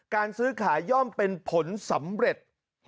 การซื้อขายย่อมเป็นผลสำเร็จ